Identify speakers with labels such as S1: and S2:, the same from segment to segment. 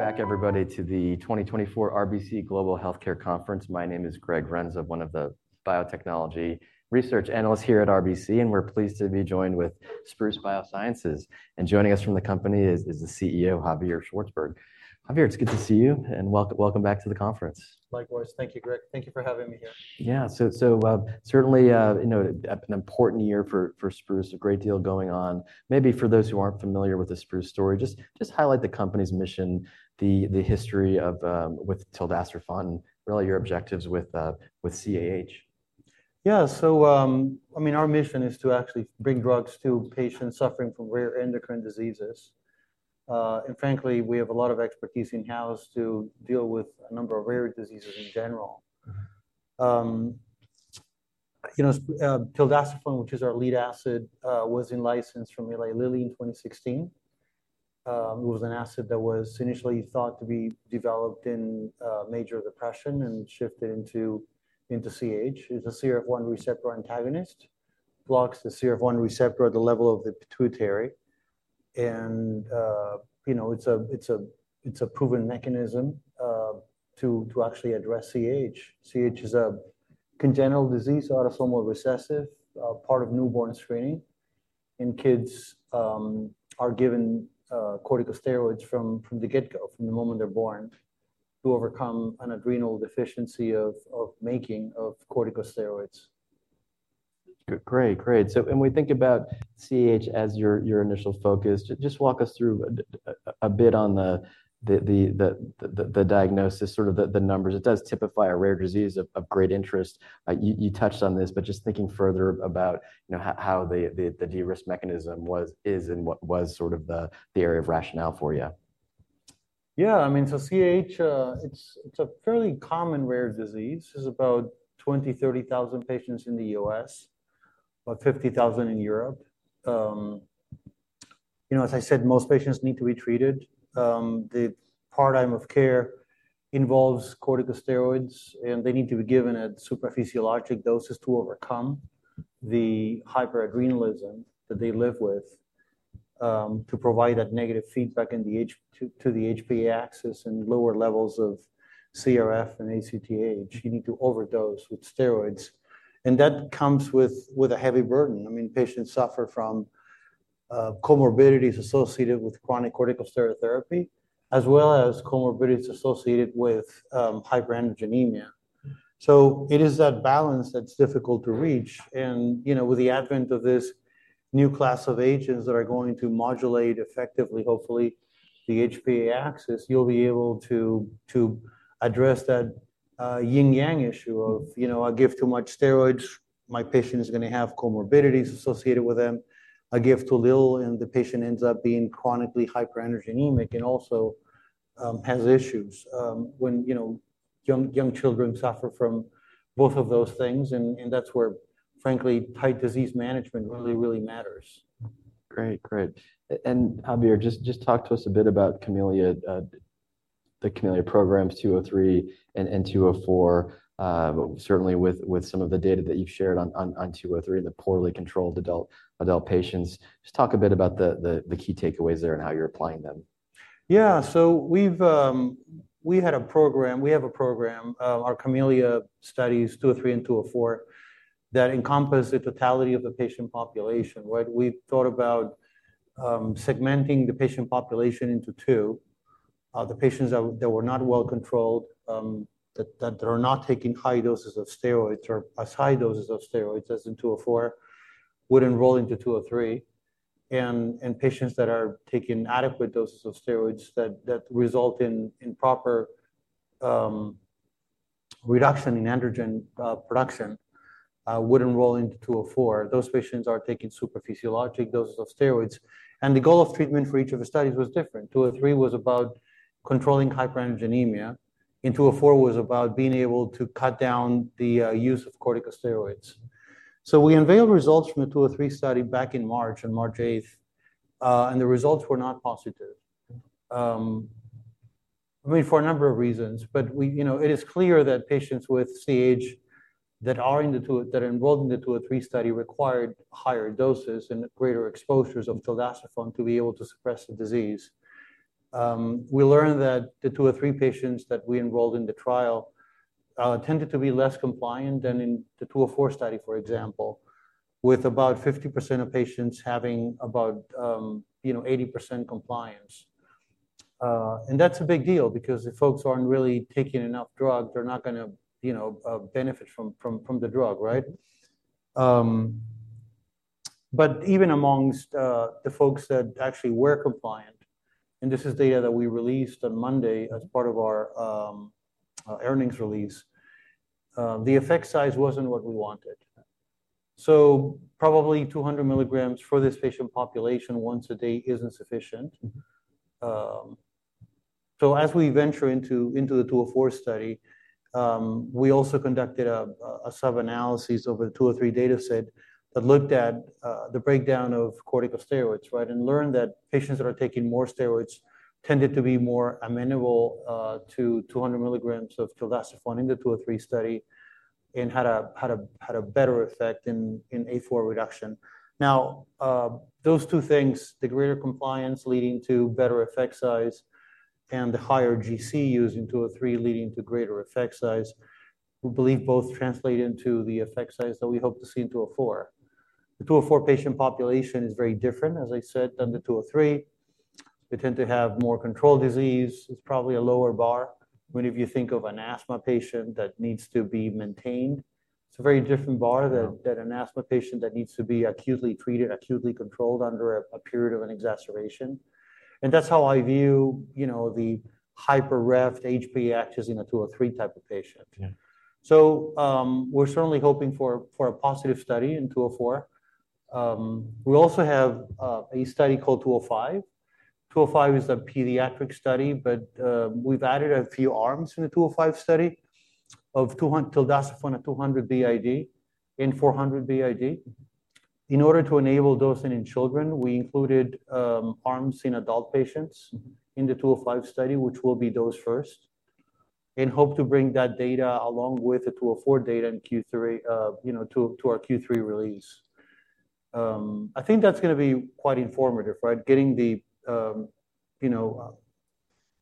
S1: Welcome back, everybody, to the 2024 RBC Global Healthcare Conference. My name is Greg Renza, one of the biotechnology research analysts here at RBC, and we're pleased to be joined with Spruce Biosciences. Joining us from the company is the CEO, Javier Szwarcberg. Javier, it's good to see you, and welcome, welcome back to the conference.
S2: Likewise. Thank you, Greg. Thank you for having me here.
S1: Yeah. So, certainly, you know, an important year for Spruce, a great deal going on. Maybe for those who aren't familiar with the Spruce story, just highlight the company's mission, the history of with tildacerfont, and really your objectives with CAH.
S2: Yeah. So, I mean, our mission is to actually bring drugs to patients suffering from rare endocrine diseases. Frankly, we have a lot of expertise in-house to deal with a number of rare diseases in general. You know, tildacerfont, which is our lead asset, was in-licensed from Eli Lilly in 2016. It was an asset that was initially thought to be developed in major depression and shifted into CAH. It's a CRF1 receptor antagonist, blocks the CRF1 receptor at the level of the pituitary, and you know, it's a proven mechanism to actually address CAH. CAH is a congenital disease, autosomal recessive, part of newborn screening, and kids are given corticosteroids from the get-go, from the moment they're born, to overcome an adrenal deficiency of making corticosteroids.
S1: Great, great. So when we think about CAH as your initial focus, just walk us through a bit on the diagnosis, sort of the numbers. It does typify a rare disease of great interest. You touched on this, but just thinking further about, you know, how the de-risk mechanism was, is, and what was sort of the area of rationale for you.
S2: Yeah, I mean, so CAH, it's a fairly common rare disease. There's about 20,000-30,000 patients in the U.S., about 50,000 in Europe. You know, as I said, most patients need to be treated. The paradigm of care involves corticosteroids, and they need to be given at supraphysiological doses to overcome the hyperadrenalism that they live with, to provide that negative feedback in the HPA axis and lower levels of CRF and ACTH. You need to overdose with steroids, and that comes with a heavy burden. I mean, patients suffer from comorbidities associated with chronic corticosteroid therapy, as well as comorbidities associated with hyperandrogenemia. So it is that balance that's difficult to reach, and, you know, with the advent of this new class of agents that are going to modulate effectively, hopefully, the HPA axis, you'll be able to, to address that, yin-yang issue of, you know, I give too much steroids, my patient is gonna have comorbidities associated with them. I give too little, and the patient ends up being chronically hyperandrogenic, and also, has issues, when, you know, young, young children suffer from both of those things, and, and that's where, frankly, tight disease management really, really matters.
S1: Great, great. Javier, just talk to us a bit about CAHmelia, the CAHmelia programs, 203 and 204. But certainly with some of the data that you've shared on 203, the poorly controlled adult patients. Just talk a bit about the key takeaways there and how you're applying them.
S2: Yeah. So we've, we have a program, our CAHmelia studies, 203 and 204, that encompass the totality of the patient population, right? We thought about segmenting the patient population into two. The patients that were not well-controlled, that are not taking high doses of steroids or as high doses of steroids as in 204, would enroll into 203, and patients that are taking adequate doses of steroids that result in proper reduction in androgen production would enroll into 204. Those patients are taking supraphysiological doses of steroids, and the goal of treatment for each of the studies was different. 203 was about controlling hyperandrogenemia, and 204 was about being able to cut down the use of corticosteroids. So we unveiled results from the 203 study back in March, on March 8, and the results were not positive. I mean, for a number of reasons, but we, you know, it is clear that patients with CAH that are enrolled in the 203 study required higher doses and greater exposures of tildacerfont to be able to suppress the disease. We learned that the 203 patients that we enrolled in the trial tended to be less compliant than in the 204 study, for example, with about 50% of patients having about, you know, 80% compliance. And that's a big deal because if folks aren't really taking enough drug, they're not gonna, you know, benefit from, from, from the drug, right? But even amongst the folks that actually were compliant, and this is data that we released on Monday as part of our earnings release, the effect size wasn't what we wanted. So probably 200 milligrams for this patient population once a day isn't sufficient. So as we venture into the 204 study, we also conducted a sub-analysis of the 203 data set that looked at the breakdown of corticosteroids, right? And learned that patients that are taking more steroids tended to be more amenable to 200 milligrams of tildacerfont in the 203 study and had a better effect in A4 reduction. Now, those two things, the greater compliance leading to better effect size and the higher GC used in 203 leading to greater effect size, we believe both translate into the effect size that we hope to see in 204. The 204 patient population is very different, as I said, than the 203. They tend to have more controlled disease. It's probably a lower bar. When, if you think of an asthma patient that needs to be maintained, it's a very different bar than an asthma patient that needs to be acutely treated, acutely controlled under a period of an exacerbation. And that's how I view, you know, the HPA axis in a 203 type of patient.
S1: Yeah.
S2: So, we're certainly hoping for a positive study in 204. We also have a study called 205. 205 is a pediatric study, but we've added a few arms in the 205 study of tildacerfont at 200 BID and 400 BID. In order to enable dosing in children, we included arms in adult patients in the 205 study, which will be dosed first, and hope to bring that data along with the 204 data in Q3, you know, to our Q3 release. I think that's gonna be quite informative, right? Getting the, you know,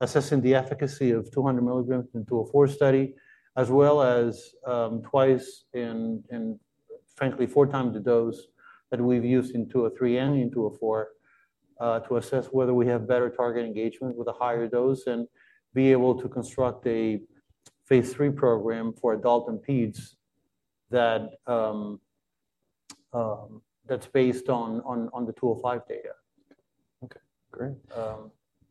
S2: assessing the efficacy of 200 milligrams in 204 study, as well as, twice and frankly, four times the dose that we've used in 203 and in 204, to assess whether we have better target engagement with a higher dose and be able to construct a phase III program for adult and peds that's based on the 205 data.
S1: Okay, great.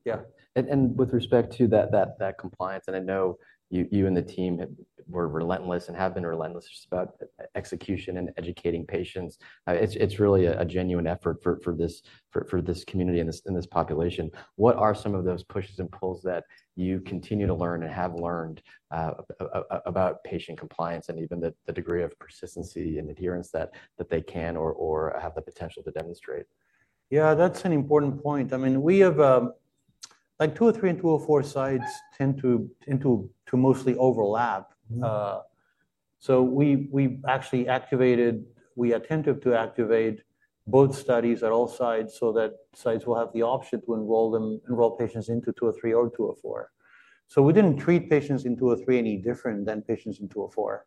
S2: Yeah.
S1: And with respect to that compliance, and I know you and the team have been relentless about execution and educating patients. It's really a genuine effort for this community and this population. What are some of those pushes and pulls that you continue to learn and have learned about patient compliance and even the degree of persistency and adherence that they can or have the potential to demonstrate?
S2: Yeah, that's an important point. I mean, we have, like 203 and 204 sites tend to mostly overlap.
S1: Mm-hmm.
S2: So we actually attempted to activate both studies at all sites so that sites will have the option to enroll patients into 203 or 204. So we didn't treat patients in 203 any different than patients in 204.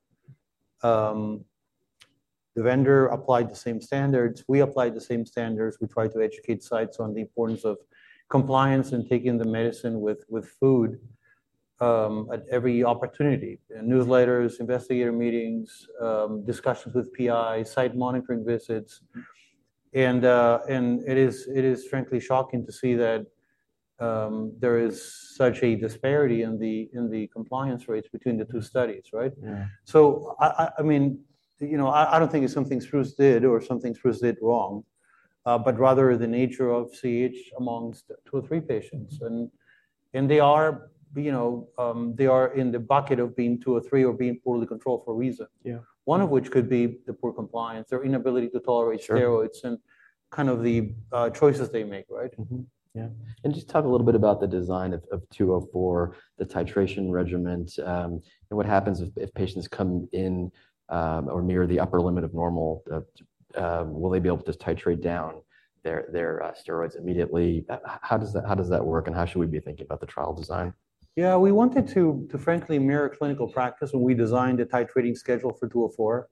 S2: The vendor applied the same standards. We applied the same standards. We tried to educate sites on the importance of compliance and taking the medicine with food at every opportunity, in newsletters, investigator meetings, discussions with PI, site monitoring visits. And it is frankly shocking to see that there is such a disparity in the compliance rates between the two studies, right?
S1: Yeah.
S2: So, I mean, you know, I don't think it's something Spruce did or something Spruce did wrong, but rather the nature of CAH among 203 patients. And they are, you know, they are in the bucket of being 203 or being poorly controlled for a reason.
S1: Yeah.
S2: One of which could be the poor compliance or inability to tolerate steroids and kind of the, choices they make, right?
S1: Yeah. And just talk a little bit about the design of 204, the titration regimen, and what happens if patients come in or near the upper limit of normal. Will they be able to titrate down their steroids immediately? How does that work, and how should we be thinking about the trial design?
S2: Yeah, we wanted to frankly mirror clinical practice when we designed a titrating schedule for 204.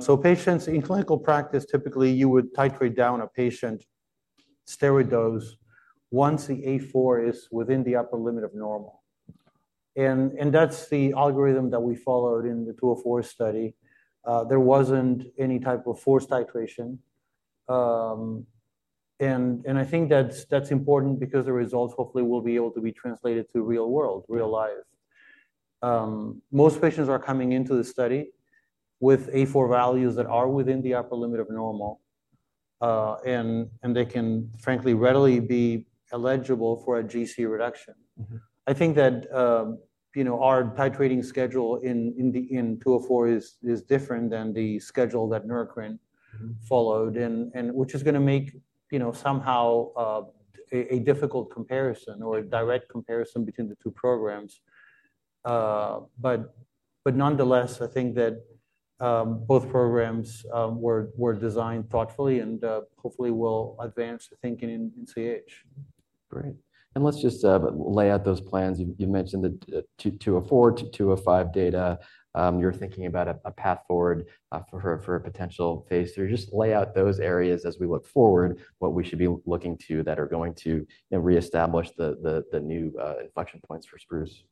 S2: So patients in clinical practice, typically, you would titrate down a patient steroid dose once the A4 is within the upper limit of normal. And that's the algorithm that we followed in the 204 study. There wasn't any type of forced titration. And I think that's important because the results hopefully will be able to be translated to real world, real life. Most patients are coming into the study with A4 values that are within the upper limit of normal, and they can frankly, readily be eligible for a GC reduction.
S1: Mm-hmm.
S2: I think that, you know, our titrating schedule in the 204 is different than the schedule that Neurocrine followed, and which is gonna make, you know, somehow, a difficult comparison or a direct comparison between the two programs. But nonetheless, I think that both programs were designed thoughtfully and hopefully will advance the thinking in CAH.
S1: Great. And let's just lay out those plans. You mentioned the 204 to 205 data. You're thinking about a path forward for a potential phase III. Just lay out those areas as we look forward, what we should be looking to that are going to, you know, reestablish the new inflection points for Spruce.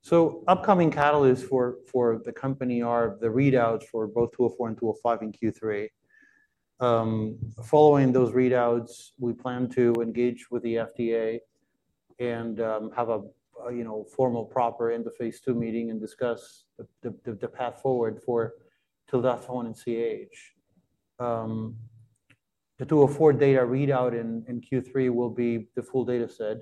S2: So upcoming catalysts for the company are the readouts for both 204 and 205 in Q3. Following those readouts, we plan to engage with the FDA and have a you know formal proper end-of-phase 2 meeting and discuss the path forward for tildacerfont in CAH. The 204 data readout in Q3 will be the full data set.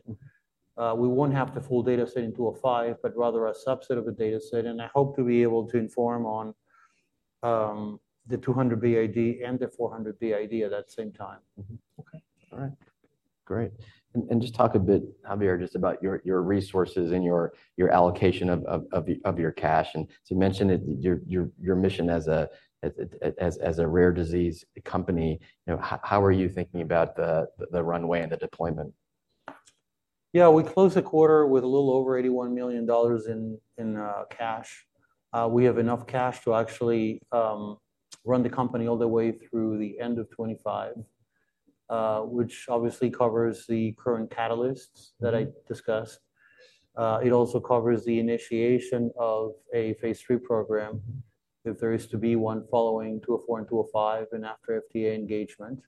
S2: We won't have the full data set in 205, but rather a subset of the data set, and I hope to be able to inform on the 200 BID and the 400 BID at that same time.
S1: Okay. All right. Great. And just talk a bit, Javier, just about your resources and your allocation of your cash. And so you mentioned that your mission as a rare disease company, you know, how are you thinking about the runway and the deployment?
S2: Yeah, we closed the quarter with a little over $81 million in cash. We have enough cash to actually run the company all the way through the end of 2025, which obviously covers the current catalysts that I discussed. It also covers the initiation of a phase II program, if there is to be one, following 204 and 205, and after FDA engagement.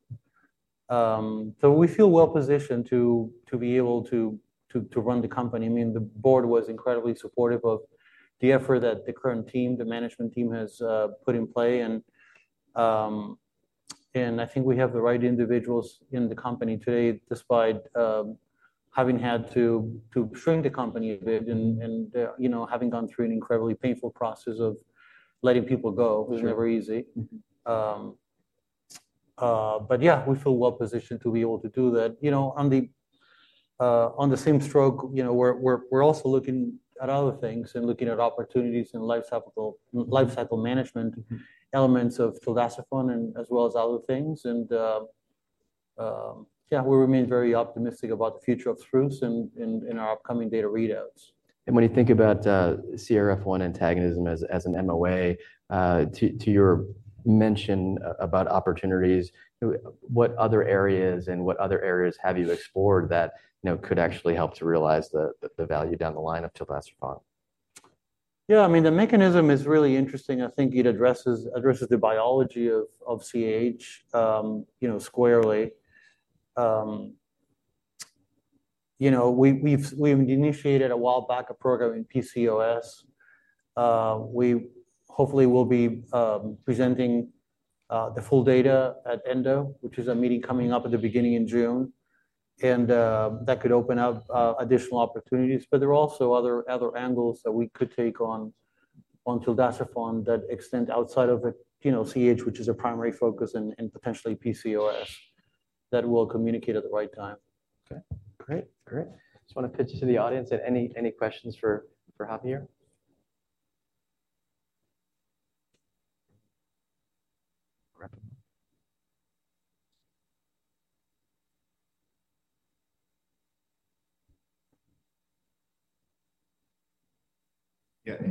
S2: So we feel well positioned to be able to run the company. I mean, the board was incredibly supportive of the effort that the current team, the management team has put in play. I think we have the right individuals in the company today, despite having had to shrink the company a bit and, you know, having gone through an incredibly painful process of letting people go.
S1: Sure.
S2: It was never easy. But yeah, we feel well positioned to be able to do that. You know, on the same stroke, you know, we're also looking at other things and looking at opportunities and life cycle management.
S1: Mm-hmm.
S2: Elements of tildacerfont and as well as other things. We remain very optimistic about the future of Spruce in our upcoming data readouts.
S1: And when you think about CRF1 antagonism as an MOA to your mention about opportunities, what other areas and what other areas have you explored that, you know, could actually help to realize the value down the line of tildacerfont?
S2: Yeah, I mean, the mechanism is really interesting. I think it addresses the biology of CAH, you know, squarely. You know, we've initiated a while back a program in PCOS. We hopefully will be presenting the full data at ENDO, which is a meeting coming up at the beginning of June, and that could open up additional opportunities. But there are also other angles that we could take on tildacerfont that extend outside of the, you know, CAH, which is our primary focus, and potentially PCOS, that we'll communicate at the right time.
S1: Okay, great. Great. Just want to pitch to the audience if any questions for Javier? Great.
S3: Yeah.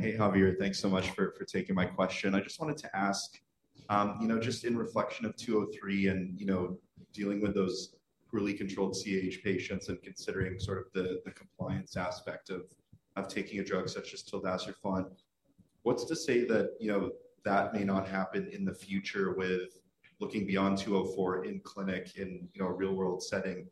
S3: Hey, Javier, thanks so much for taking my question. I just wanted to ask, you know, just in reflection of 203 and, you know, dealing with those poorly controlled CAH patients and considering sort of the compliance aspect of taking a drug such as tildacerfont, what's to say that, you know, that may not happen in the future with looking beyond 204 in clinic in, you know, a real-world setting?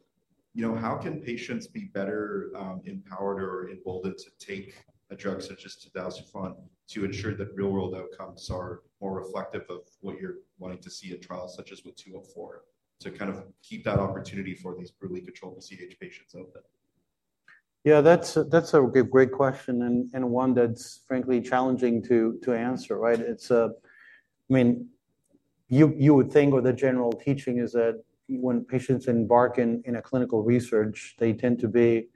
S3: You know, how can patients be better empowered or emboldened to take a drug such as tildacerfont to ensure that real-world outcomes are more reflective of what you're wanting to see in trials, such as with 204, to kind of keep that opportunity for these poorly controlled CAH patients open?
S2: Yeah, that's a great question, and one that's frankly challenging to answer, right? It's, I mean, you would think or the general teaching is that when patients embark in a clinical research, they tend to be,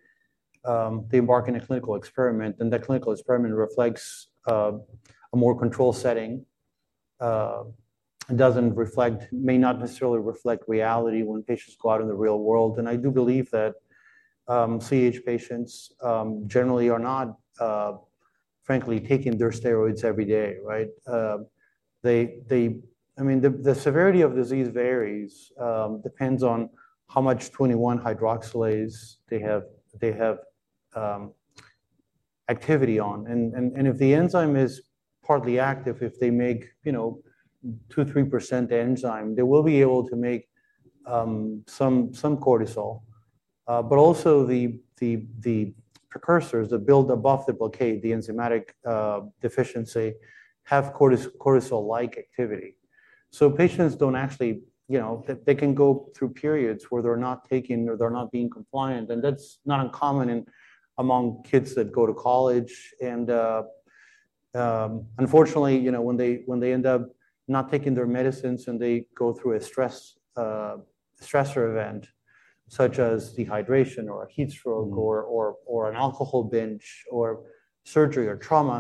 S2: they embark in a clinical experiment, and that clinical experiment reflects a more controlled setting, and doesn't reflect- may not necessarily reflect reality when patients go out in the real world. And I do believe that CAH patients generally are not, frankly, taking their steroids every day, right? They, I mean, the severity of disease varies, depends on how much 21-hydroxylase they have, they have activity on. And if the enzyme is partly active, if they make, you know, 2%-3% enzyme, they will be able to make some cortisol. But also the precursors that build above the blockade, the enzymatic deficiency, have cortisol-like activity. So patients don't actually, you know, they can go through periods where they're not taking or they're not being compliant, and that's not uncommon among kids that go to college. And unfortunately, you know, when they end up not taking their medicines and they go through a stressor event, such as dehydration, or a heat stroke or an alcohol binge, or surgery, or trauma,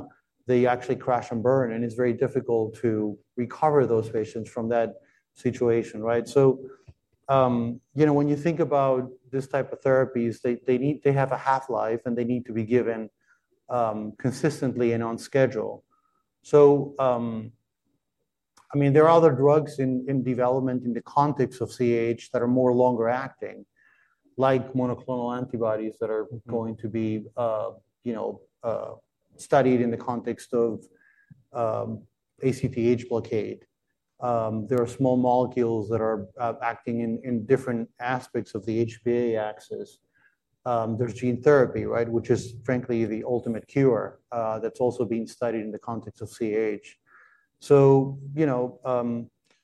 S2: they actually crash and burn, and it's very difficult to recover those patients from that situation, right? So, you know, when you think about these type of therapies, they, they need - they have a half-life, and they need to be given consistently and on schedule. So, I mean, there are other drugs in development in the context of CAH that are more longer acting, like monoclonal antibodies that are going to be, you know, studied in the context of ACTH blockade. There are small molecules that are acting in different aspects of the HPA axis. There's gene therapy, right? Which is frankly, the ultimate cure, that's also being studied in the context of CAH. So, you know,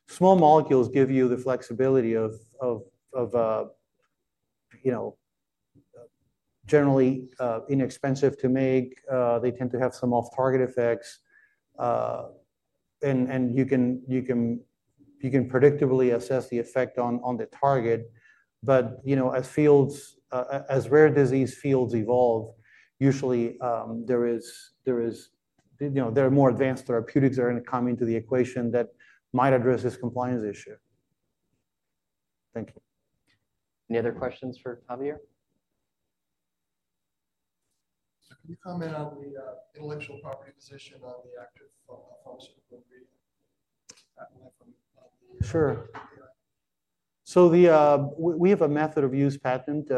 S2: small molecules give you the flexibility of, generally, inexpensive to make, they tend to have some off-target effects, and you can predictably assess the effect on the target. But, you know, as fields, as rare disease fields evolve, usually, there are more advanced therapeutics that are gonna come into the equation that might address this compliance issue. Thank you.
S1: Any other questions for Javier?
S4: Can you comment on the intellectual property position on tildacerfont?
S2: Sure. So we have a method of use patent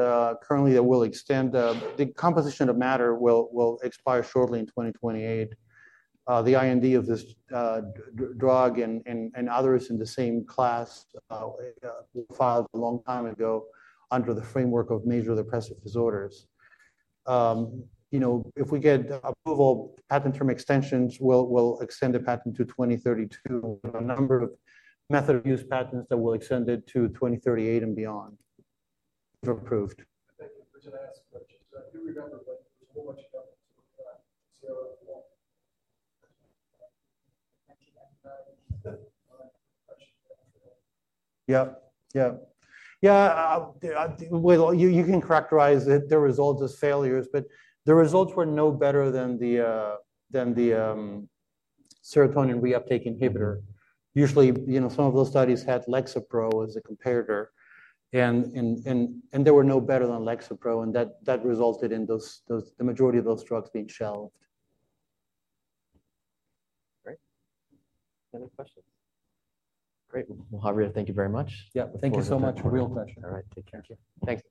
S2: currently that will extend the composition of matter, which will expire shortly in 2028. The IND of this drug and others in the same class was filed a long time ago under the framework of major depressive disorders. You know, if we get approval, patent term extensions will extend the patent to 2032. A number of method of use patents that will extend it to 2038 and beyond, if approved. Thank you for asking the question. I do remember when there's a whole bunch of, yeah, well, you can characterize it, the results as failures, but the results were no better than the serotonin reuptake inhibitor. Usually, you know, some of those studies had Lexapro as a comparator, and they were no better than Lexapro, and that resulted in those, the majority of those drugs being shelved.
S1: Great. Any other questions? Great. Well, Javier, thank you very much.
S2: Yeah. Thank you so much for your question.
S1: All right. Take care. Thanks.